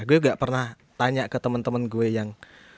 gue gak pernah tanya ke temen temen gue yang